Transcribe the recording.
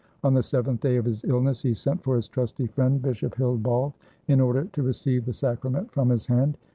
On the seventh day of his illness he sent for his trusty friend Bishop Hildbald, in order to receive the sacrament from his hand.